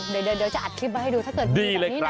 เดี๋ยวจะอัดคลิปมาให้ดูถ้าเกิดมีแบบนี้นะ